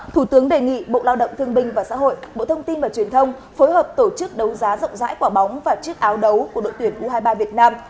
thủ tướng đề nghị bộ lao động thương binh và xã hội bộ thông tin và truyền thông phối hợp tổ chức đấu giá rộng rãi quả bóng và chiếc áo đấu của đội tuyển u hai mươi ba việt nam